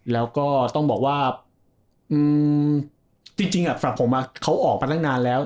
แล้วก็ต้องบอกว่าอืมจริงอ่ะสำหรับผมอ่ะเขาออกไปตั้งนานแล้ว